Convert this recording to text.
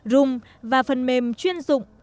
room và phần mềm chuyên dụng